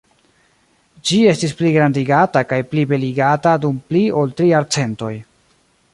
Ĝi estis pligrandigata kaj plibeligata dum pli ol tri jarcentoj.